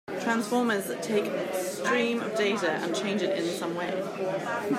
Transformers take a stream of data and change it in some way.